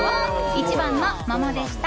１番の桃でした。